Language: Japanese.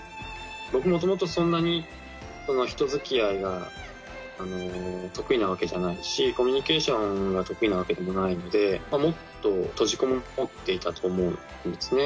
僕、もともとそんなに人づきあいが得意なわけじゃないし、コミュニケーションが得意なわけでもないので、もっと閉じこもっていたと思うんですね。